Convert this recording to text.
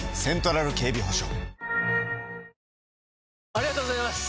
ありがとうございます！